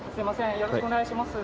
よろしくお願いします。